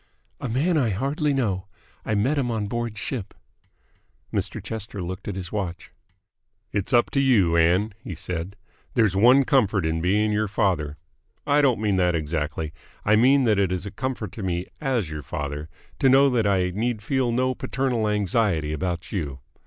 "A man I hardly know. I met him on board ship " Mr. Chester looked at his watch. "It's up to you, Ann," he said. "There's one comfort in being your father I don't mean that exactly; I mean that it is a comfort to me AS your father to know that I need feel no paternal anxiety about you.